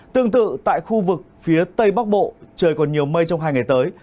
tương tự tại khu vực phía tây bắc bộ trời còn nhiều mây trong hai ngày tới